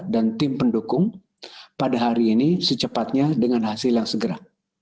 dan tim pendukung pada hari ini secepatnya dengan hasil yang segera